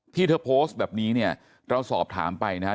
ที่เธอโพสต์แบบนี้เนี่ยเราสอบถามไปนะครับ